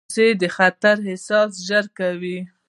وزې د خطر احساس ژر کوي